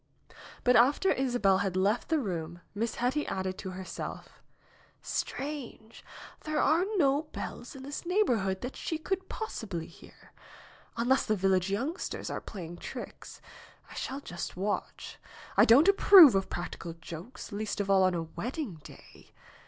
But after Isabel had left the room Miss Hetty added to herself : "Strange ! There are no bells in this neigh borhood that she could possibly hear. Unless the village youngsters are playing tricks. I shall just watch. I don't approve of practical jokes, least of all on a wed ding day.